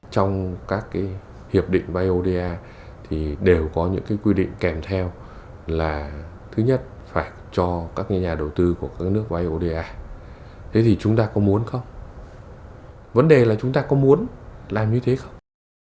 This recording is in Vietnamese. thế thì chúng ta có muốn không vấn đề là chúng ta có muốn làm như thế không